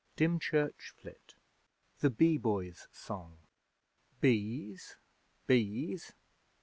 'DYMCHURCH FLIT' THE BEE BOY'S SONG Bees! Bees!